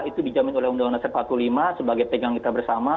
itu dijamin oleh undang undang dasar empat puluh lima sebagai pegang kita bersama